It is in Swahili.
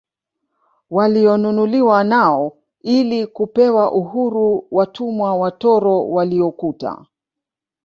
Walionunuliwa nao ili kupewa uhuru watumwa watoro waliokuta